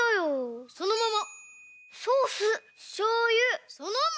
そのまま！